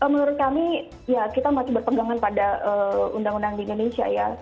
menurut kami ya kita masih berpegangan pada undang undang di indonesia ya